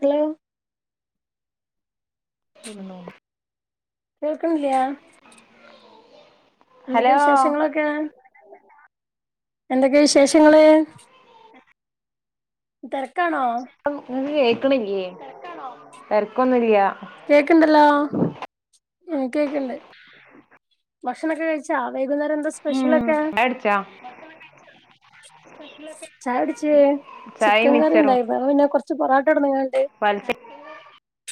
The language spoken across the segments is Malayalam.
ഹലോ [inaudible] കേൾക്ക്ന്ല്ല എന്തൊക്കെ വിശേഷങ്ങളൊക്കെ എന്തൊക്കെ വിശേഷങ്ങള് ദർ അം ഇ കേക്ക്ണില്ലേ തെര്ക്കൊന്നുല്ല കേക്ക്ണ്ടല്ലോ ആ കേക്കണ്ട് ഭക്ഷണൊക്കെ കഴിച്ചാ വൈകുന്നേരം എന്താ ചായ സ്പെഷ്യലക്കെ കുടിച്ചോ ചായ കുട്ച്ച് ചായയും ചിക്കൻ കറി മിച്ചറും ണ്ടായിര്ന്ന് [unintelligible] കൊറ് [unintelligible] [unintelligible]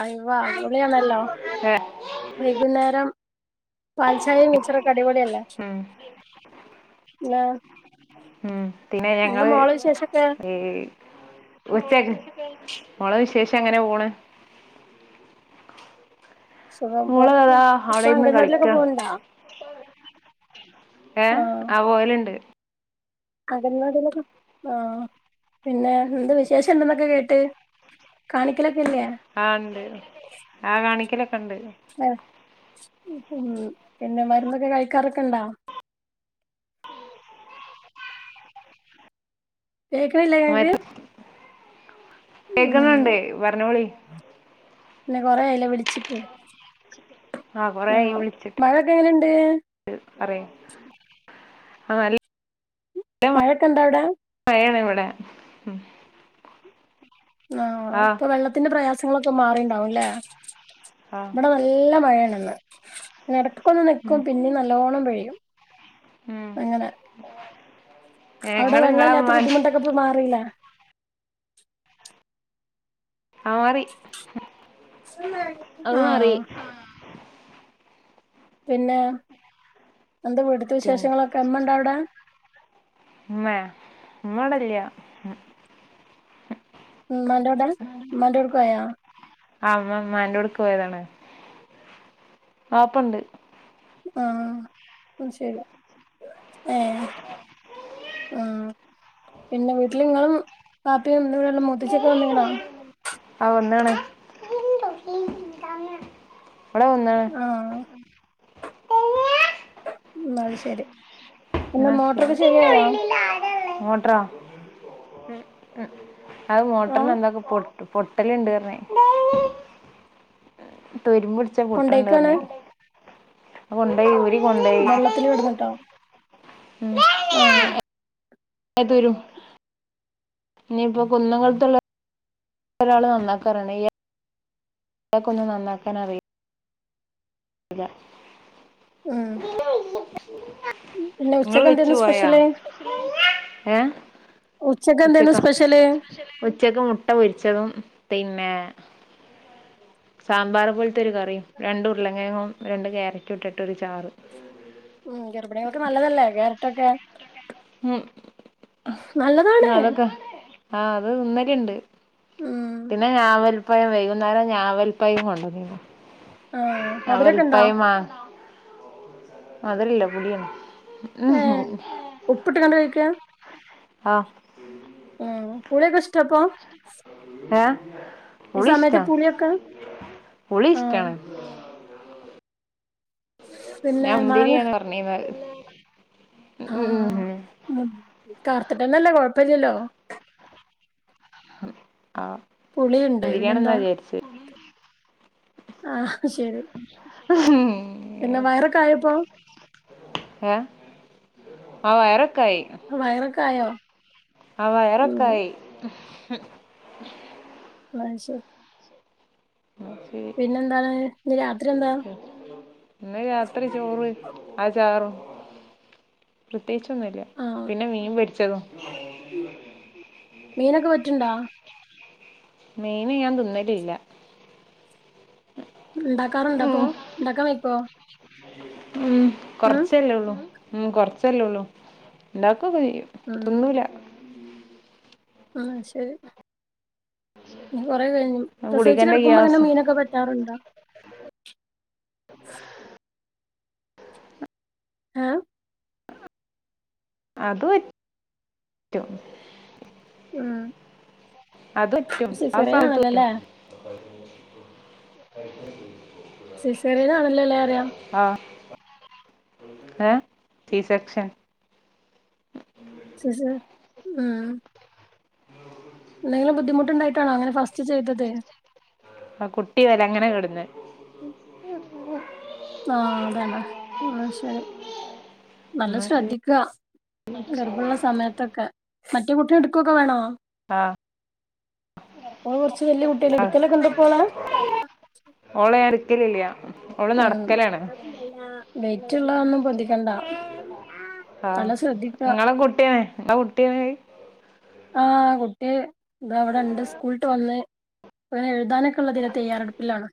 അയ്‌വ പൊളിയാണല്ലോ വൈകുന്നേരം പാൽച്ചായയും മിച്ചറൊക്കെ അടിപൊളിയല്ലേ ഉം പിന്നെ ഉം പിന്നെ എന്താ ഞങ്ങള് മോളെ വിശേഷൊക്കെ ഈ ഉച്ചക്ക് മോളെ വിശേഷം അങ്ങനെ പോണ് സുഖം മോള പൊറത്ത് താ ഇപ്പൊ അവിടെ ഇര്ന്ന് കളിക്ക അംഗൻവാടിലൊക്കെ പോവ്ണ്ടോ ഏ ആ പോയലുണ്ട് അംഗവാടിലൊക്കെ ആഹ പിന്നെ എന്ത് വിശേഷംണ്ടെന്നൊക്കെ. കേട്ട് കാണിക്കല ആ ഉണ്ട് ആ കാണിക്കലൊക്കെ ഇണ്ട് ഉ പിന്നെ മരുന്നൊക്കെ കഴിക്കാറൊക്കെ ഇണ്ടോ കേക്കണില്ലേ മ ഇങ്ങക്ക് ഉം കേക്കുന്നുണ്ട് പറഞ്ഞോളി പിന്നെ കൊറെ ആയിലെ വിളിച്ചിട്ട് ആ ആഹ മഴൊക്കെ എങ്ങനെണ്ട് പറയാ ആ നല്ല മഴക്കെണ്ടോ അവിടെ ഇവിടെ ആഹ ആ ഇപ്പൊ വെള്ളത്തിന്റെ പ്രയാസങ്ങളൊക്കെ മാറിണ്ടാവുംല്ലേ ആ ഇവിടെ നല്ല മഴയാണിന്ന് പ്പം ഒന്ന് ഉം നിക്കും പിന്നെ നല്ലോണം പിഴിയും ഉം അങ്ങനെ അവിടെ ഞങ്ങള് വെള്ള ഇങ്ങളെ ഇല്ലാത്ത ഉമ്മാൻ ബുദ്ധിമുട്ടൊക്കെ പോയി മാറില്ലേ ആ റി ആഹ പിന്നെ എന്താ വീട്ട്ത്തെ പിൻ വിശേഷങ്ങളൊക്കെ അമ്മണ്ടാ അവിടെ ഉമ്മേ ഉമ്മ വടല്ലാ മ്മന്റോടെ മ്മന്റോട്ക്കോയോ ആ മ്മ മാന്റോട്ക്ക് പോയതാണ വാപ്പണ്ട് ആഹ ശരി ഏ ആഹ പിന്നെ വീട്ടിൽ ഇങ്ങളും വാപ്പിയും ഇമ്മി ള്ളൂ മൂത്തച്ചി ഒക്കെ വന്ന് ണോ ആ വന്നീണ് ഇവിടെ വെന്നീണ് ആഹ് ഉ അത് ശെരി എന്ന ശരി മോട്ടൊറോ അത് മോട്ടറിന് ആഹ് എന്തൊക്കെ പൊ പൊട്ടല ഇണ്ട് പറണേ തുരുമ്പ് പിടിച്ച പൊട്ട്ണ്ട് കൊണ്ടേയ്ക്കാണ് അറിഞ്ഞി അ കൊണ്ടോയി ഊ വെള്ളത്തില് കിടന്നിട്ടോ ഉം ആഹ [unintelligible] രും ഇനിയിപ്പൊ കുന്നങ്കലത്തുള്ള ഒരാള് നന്നാക്കാർഞ്ഞിണ് ഇയാൾക്കൊന്നും നന്നാക്കാനറിയല്ല [unintelligible] ഉം പിന്നെ നിങ്ങള് ഉച്ചക്ക് വെച്ചു എന്തേന്നു പോയാ സ്പെഷ്യല് ഏ ഉച്ചക്ക് എന്തേന്നു ഉച്ചക്ക സ്പെഷ്യല് ഉച്ചക്ക് മുട്ട പൊരിച്ചതും പിന്നെ സാമ്പാർ പോലത്തെരു കറിയ രണ്ടുംർല്ലേ ളേങ്ങും രണ്ട് ക്യാരറ്റ് ഇട്ടിട്ട് ഒരു ചാറ് ഉം ഗർഭിണികൾക്ക് നല്ലതല്ലേ കേരറ്റൊക്കെ ഉം നല്ലതാണ് അതൊക്കെ ആഹ അത് ഇന്നലെണ്ട് ഉം പിന്നെ ഞാവൽപ്പയം വൈകുന്നേരം ഞാവൽപ്പയം കൊണ്ടന്നീണ് ആഹ് ഞാവൽ മധുരൊക്കെ ഇണ്ടോ പഴമാണോ മതരല്ല പുളിയാണ് ഏ ഉം ഉപ്പിട്ട് കാണ്ട് വേവിക്ക അ ഉം പുളിക്കെഷ്ടാപ്പോ ഏ പുളി സമയത്ത് ഇഷ്ടാ പുളിയൊക്കെ പുളി ആഹ് ഇഷ്ടാണ് പിന്നെ ഞാൻ മാങ്ങ മുന്തിരിയാണ് പറഞ്ഞിന്ന് റയും ഉം ഉം ഉം കർത്തിട്ടന്നല്ലേ കൊഴപ്പില്ലല്ലോ ഹ പുളിയുണ്ട് പിന്നെന്താ ആഹ ശരി പിന്നെ വയറൊക്കെ ആയപ്പോ ഏ ആ വയറക്കെ വയറൊക്കെ ആയോ ആ ഉം വയറൊക്കായി എന്നാ ശരി ശരി പിന്നെന്താണ് ഇന്ന് രാത്രി എന്താ ഇന്ന് രാത്രി ചോറ് ആ ചാറും പ്രത്യേകിച്ചൊന്നുമല്ല ആഹ് പിന്നെ മീൻ പൊരിച്ചതും മീനൊക്കെ പറ്റുണ്ടാ മീന് ഞാൻ തിന്നലില്ല. ഉണ്ടാക്കാറുണ്ടപ്പോ ഉം ഉണ്ടാക്കാൻ വയ്ക്കോ? ഉം ഉം കൊറച്ചല്ലേ ഉള്ളൂ ഉംകൊറച്ചല്ലേ ഉള്ളൂ ഉണ്ടാ ക്കുക ചെയ്യും തിന്നൂല്ലാ. ആ ശരി കഴിഞ്ഞും പ്രസവിച്ച്ച് ഗുളികന്റെ കിടക്കുമ്പോ അങ്ങനെ ഗ്യാസ് മീനൊക്കെ പറ്റാറുണ്ടോ? ആം അത് പറ്റും. ആഹ അത് പറ്റും ആ സമയത്ത് പറ്റും. സിസേറിയാനാണലല്ലേ അറിയ ആ തീസക്ക്ഷൻ [unintelligible] സിസ് ആ ഉം എന്തെങ്കിലും ബുദ്ധിമുട്ടുണ്ടായിട്ടാണോ അങ്ങനെ ഫസ്റ്റ് ചെയ്തത്? ആ കുട്ടി വല അങ്ങനെ കിടന്ന് ഉം [unintelligible] ആഹ അതാണ് ന്നാ ശരി. നല്ല എന്നാ ശരി ശ്രദ്ധിക്കുക ഗർഭള്ള സമയത്തൊക്കെ മറ്റേ കുട്ടിയെ എടുക്കുക്കെ വേണോ? ആഹ അപ്പോൾ കൊറച്ച് വലിയ കുട്ടില്ലെ എടുക്കലൊക്കെണ്ടപ്പോളെ ഓളെ ഞാൻ എടുക്കലില്ല ഓള് ഉം നടക്കലാണ് വെറ്റുള്ളൊന്നും പൊന്തിക്കണ്ട. ആഹ നല്ല ശ്രദ്ധിക്ക നിങ്ങളെ കുട്ടിയനെ നിങ്ങള കുട്ടിയ ണത് ആഹ കുട്ടി ഇത അവിടെണ്ട് സ്കൂൾ പ്പവന്ന് അങ്ങനെ എഴുതാനൊക്കെ ഉള്ള തിലതയ്യാറെടുപ്പിലാണ്.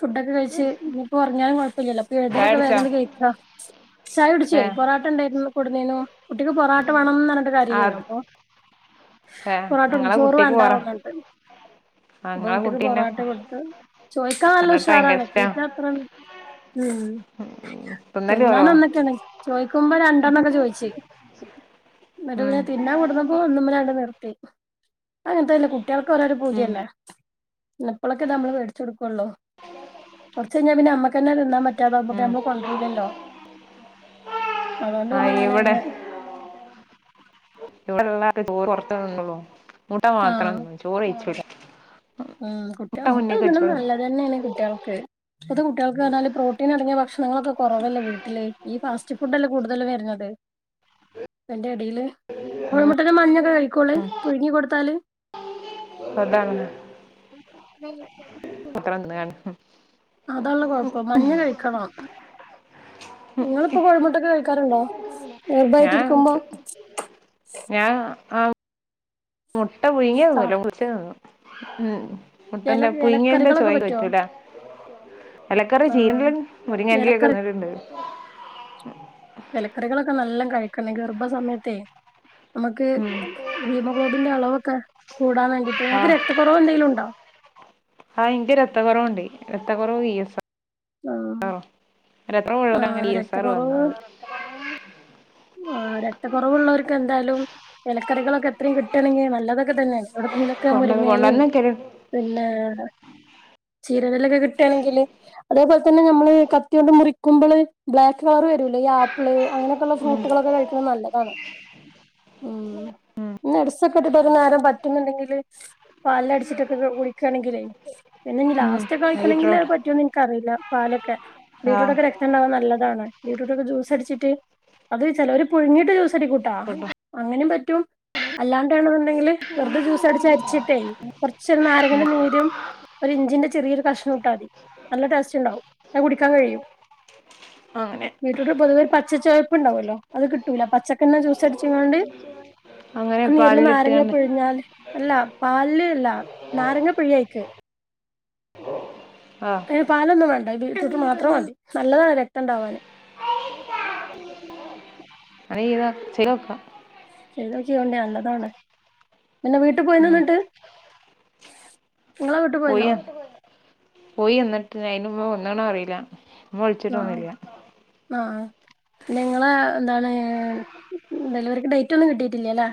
ഫുഡ്ഡൊക്കെ കഴിച്ച് ഇനിയിപ്പോ ഉറങ്ങിയാലും കൊയപ്പലല്ലോ അപ്പൊ ചായ എഴുതലൊക്കെ കുടിച്ചോ വേഗം കഴിക്കാ ചായ ഏഹ് കുട്ടിച്ചയ്പൊറാട്ട ഉണ്ടായിരുന്നു. കൊടുന്നീനു കുട്ടിക്ക് പൊറാട്ട വണംന്ന് പറഞ്ഞിട്ട് കാര്യായിനു അത് അപ്പൊ ഏഹ് പൊറോട്ട ഇങ്ങളെ കൊടുന്നുചോറും കുട്ടിക്ക് പറ വാണ്ടന്നിട്ട് റഞ്ഞിട്ട് ആഹ് ഇപ്പ ഇങ്ങളെ കുട്ടിക്ക് കുട്ടീനെ പൊറാട്ട കൊടുത്ത് ചോയ്ക്കാൻ നല്ലോ പൊറോട്ട ഭയങ്കര ഉഷാറാണ് ഇഷ്ടാ തീറ്റ അത്ര ഉം തിന്നല് തിന്നാൻ കൊറവാ ഒന്നക്കെയാണ്. ചോയ്ക്കുമ്പോ രണ്ടെണ്ണംക്കെ ചോയിച് [unintelligible] ട്ട് ഉം പിന്നെതിന്നാൻ കൊടു ഓനട്ട് നിർത്തി അങ്ങനത്തെല്ല കുട്ടികൾക്ക് ഓരോരു ഉം പൂതിയല്ലേ. ഇപ്പോളൊക്കെ നമ്മള് മേടിച്ചുടുക്കുള്ളൂ. കുറച്ച കഴിഞ്ഞാ പിന്നെ നമ്മക്ക്ന്നെ തിന്നാൻ പറ്റ പറ്റാതെ ആവുമ്പോ ഉം നമ്മൾ കൊണ്ടരുലല്ലോ. അതൊണ്ട് പിന്നെ ആഹ് ഞാന അ ഇവിടെ ങ്ങനെ ഇവിടെള്ളാരുംചോറ് കൊറച്ച്നുള്ളൂ കൂട്ടാ ആഹ് മാത്രംന്നുറചോറ്ഴിച്ചുല്ല. ഉം കുട്ടി അമുട്ട തിന്ന വെച്ചോളും നല്ലതന്നെയാണ് കുട്ടികൾക്ക്. ഇപ്പത്തെ കുട്ടികൾക്ക് പറഞ്ഞാല് പ്രോട്ടീൻ അടങ്ങിയ ഭക്ഷണങ്ങളൊക്കെ കുറവല്ലേ വീട്ടില് ഈ ഫാസ്റ്റ് ഫുഡ് അല്ലേ കൂടുതൽ വരുന്നത്. [unintelligible] എന്റെറെ ഇടയില് കോഴിമുട്ടന്റെ മഞ്ഞക്കെ കഴിക്കോള് പുഴുങ്ങി കൊടുത്താല്. അതാണ് മാത്രം [unintelligible] തിന്നാണ് അതാള്ള കൊഴപ്പം മഞ്ഞ കഴിക്കണം. നിങ്ങൾപ്പോ കോഴിമുട്ടൊക്കെ കഴിക്കാറുണ്ടോ ഞാൻ ഗർഭയട്ടിരിക്കുമ്പോ? ഞാൻ ആ മുട്ട പുഴുങ്ങിയ ആ തിന്നുല്ല. ബുൾസയ് തിന്നും. ഉം എല മുട്ടന്റെ പുഴങ്ങേന്റെ എലക്കറികളൊക്കെ ചോയ് പറ്റുവോ പറ്റൂല. ഏലക്കറി, ആഹ് ചീരന്റലിം മുരിങ്ങാറ്റലൊക്കെ, എലക്കറി തിന്നലുണ്ട്. ഇലക്കറികളൊക്കെ നല്ല കഴിക്കണം ഗർഭ സമയത്തേ!. നമ്മക്ക് ഉം ഹീമോഗ്ലോബിന്റെ അളവൊക്കെ കൂടാൻ വേണ്ടിട്ട്. ആ ങ്ങക്ക് രക്തക്കുറവ് എന്തെങ്കിലും ഉണ്ടോ. [inaudible] അ ഇന്ക്ക് രക്തകുറവുണ്ട് രത്ത കുറവ് വി എസാ ആഹ് ഒ എത്ര ളിൽ അങ്ങനെ ഇ എസ് ആർ വന്നത്. [inaudible] ആ രക്തക്കുറവ്ള്ളവർക്ക്, എന്തായാലും. ഇലക്കറികളൊക്കെ എത്രയും കിട്ടണമെങ്കിൽ നല്ലതൊക്കെ തന്നെയാണ്. എവിടെണെങ്കിലൊക്കെ കൊണ്ടത് മുരിങ്ങയിലും കൊണ്ടുവന്നേക്കല് പിന്നെ ചീരന്റെല്ലൊക്കെ കിട്ടണെങ്കില്. അതേപോലെ തന്നെ നമ്മള് കത്തികൊണ്ട് മുറിക്കുമ്പോള് ബ്ലാക്ക് കളർ വരൂല്ലേ ഈ ആപ്പിള് അങ്ങനെയൊക്കെയുള്ള ഉം ഫ്രൂട്ടുകളൊക്കെ കഴിക്കുന്നത് നല്ലതാണ്. ഉം ഇ നെട്സൊക്കെ ഇട്ടിട്ട് ഒരു നേരം പറ്റുന്നുണ്ടെങ്കില് പാലിലടിച്ചിട്ടൊക്കെ കുടിക്കയാണെങ്കിലേ പിന്നെന്ന് ഉം ലാസ് റ്റക്കെ അഴിക്കണെങ്കിൽ അത് ഹൈഡ്രോട്ട് പറ്റുമോന്ന് നിനക്ക് അറിയില്ല. പാലൊക്കെ ആ ബീട്ടുർട്ടോക്കെ രക്തംണ്ടാവാൻ നല്ലതാണ്. ബിട്ടുർട്ടൊക്കെ ജ്യൂസ് അടിച്ചിട്ട്. അത് ചിലർ പുഴുങ്ങിയിട്ട് ജ്യൂസ് അടിക്കൂട്ടാ കേട്ടോ അങ്ങനും പറ്റ റ്റും അല്ലാണ്ടേണെന്നുണ്ടെങ്കില് വെറുതെ ജ്യൂസ് അടിച്ച് അരിച്ചിട്ടേ കൊറച്ചൊരും നാരങ്ങിന്റെ നീരും ഒരു ഇഞ്ചിന്റെ ചെറിയൊരു കഷ്ണം മിട്ടാ മതി. നല്ല ടേസ്റ്റ് ഉണ്ടാവും ന്ന കുടിക്കാൻ കഴിയും. അങ്ങനെ ബീട്ടൂർട്ട് പൊതുവേ ഒരു പച്ച ചുവയപ്പ് ഉണ്ടാവല്ലോ. അത് കിട്ടൂല പച്ചക്കെണ് ജ്യൂസ് അടിച്ച്ക്കാണ്ട് അങ്ങനെ അ നീരില് പാലിലിട്ട് നാരങ്ങ കണ്ട് പിഴിഞ്ഞാല് അല്ലാ പാലില് അല്ല നാരങ്ങപ്പിഴിയായിക്ക് ആ അയിന് പാലൊന്നും വേണ്ട. [unintelligible] ട്ടൂർട്ട് മാത്രം മതി നല്ലതാണ് രക്തംണ്ടാവാന്. അതെ ഇതാ ചെയ്തു നോക്കാ ചെയ്തൊക്കെയോണ്ട് നല്ലതാണ്. പിന്നെ വീട്ടിൽ പോയിന ഉം ന്നിട്ട്. നിങ്ങളെ വീട്ടിൽ പോയിന്നോ പോയ പോയി വന്നിട്ട് അയിന് ഇമ്മവന്നക്ക്ണ അറിയില്ല. ഇമ്മ വിളിച്ചിട്ടോന്നില്ല. ആ പിന്നെ നിങ്ങളെ എന്താണ്? ഡെലിവറിക്ക് ഡേറ്റ് ഒന്നും കിട്ടിട്ടില്ലല്ലേ?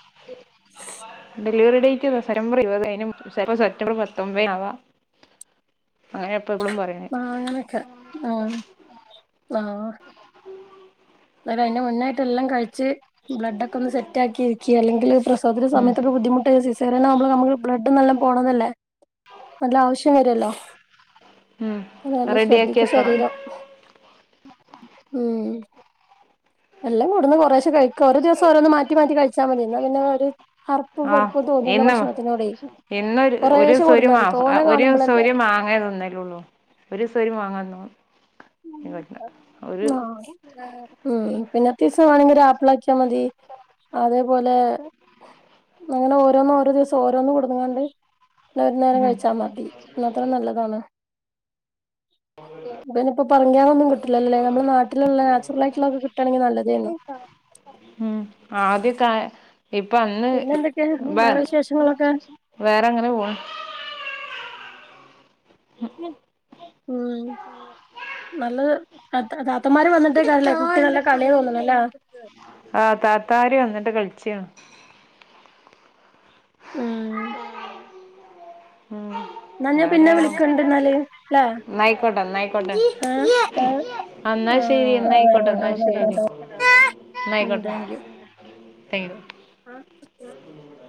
[unintelligible] ഡെലിവറി ഡേറ്റ് സെറ്റംബർ ഇരുപത് അയിന് മു സെപ്റ്റംബർ പത്തൊമ്പതിന് ആവാ ആ അങ്ങനെയൊക്കെ ആ ആഹ് അതിന്റെ മുന്നായിട്ട് എല്ലാം കഴിച്ച് ബ്ലഡ് ഒക്കെ ഒന്ന് സെറ്റ് ആക്കി ഇരിക്ക അല്ലെങ്കിൽ പ്രസവത്തിൻ്റെ ഉം സമയത്തൊക്കെ ബു ബുദ്ധിമുട്ട് സിസേറിയനാകുമ്പോ നമൾക്ക് ബ്ലഡ് നല്ലോ പോണതല്ലേ? നല്ല ആവശ്യം വരുല്ലോ. ഉം അ നല്ല റെഡിയാക്കി ശ്രദ്ധിക്ക വെക്കണം ശരീരം ഉം എല്ലാം കൂടന്ന് കുറേശേ കഴിക്ക ഓരോ ദിവസം ഓരോന്ന് മാറ്റി മാറ്റി കഴിച്ചാ മതി ന്നാ പിന്നെ ഒര് പ്പും വെർപ്പും തോന്നൂല്ല ഭക്ഷണത്തിനോട് ഇന്നൊരു ഒരൂസം മാസ തോനെ ഒരൂസം കാണുമ്പളല്ലേ ഒര് മാങ്ങേതിന്നലൊള്ളൂ. ഒരുസം ഒരു മാങ്ങന്നും ആ ഉം പിന്നെത്തീസം വാണെങ്കി ഒരാപ്പിളാക്കിയാ മതി അതേപോലെ അങ്ങനെ ഓരോന്നും ഓരോ ദിവസം ഓരോന്ന് കൊടുങ്ങാണ്ട് ന്ന ഒരു നേരം ഉം കഴിച്ചാൽ മതി ന്നാത്ര നല്ലതാണ് [unintelligible] ഇപ്പൊ പറങ്കിയാങ്ങൊന്നും കിട്ടുല്ലല്ലേ നമ്മളെ നാട്ടില്ള്ള നാച്ചുറൽ ആയിട്ടുള്ളതൊക്കെ കിട്ടാണെങ്കിൽ നല്ലതേന്നു ഉം ആദ്യൊക്കെ ഇപ്പൊ അന്ന് പിന്നെ എന്തൊക്കെ വാ വേറെ വിശേഷങ്ങളൊക്കെ വേറെങ്ങനെ പോണ് ഉം നല്ലത് താത്തമാര് വന്നിട്ടൈകാരലേ കുട്ടികൾ നല്ല കളിയാ തോന്ന്ണ്ലേ ആഹ് താത്താര് വന്നിട്ട് കളിച്ചാണ് ഉം [inaudible] പിന്നെ പിന്നാരാ വിളിക്കണ്ട് എന്നാല് ല്ലേ ന്നായിക്കോട്ടെ ന്നായിക്കോട്ടെ ആഹ് അ ന്നാശെരി ആഹ് ന്നാ അയ്ക്കോട്ടെ എന്നായിക്കോട്ടെ ഓക്കെടാ ന്നാശെരി ഉം താങ്ക് ന്നായ്ക്കോട്ടെ [inaudible]